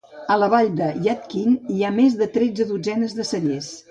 A la vall de Yadkin hi ha més de tres dotzenes de cellers.